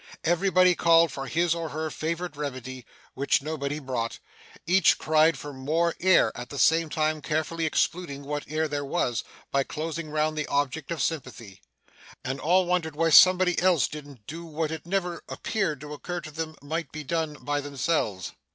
Everybody called for his or her favourite remedy, which nobody brought; each cried for more air, at the same time carefully excluding what air there was, by closing round the object of sympathy; and all wondered why somebody else didn't do what it never appeared to occur to them might be done by themselves.